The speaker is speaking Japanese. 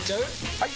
・はい！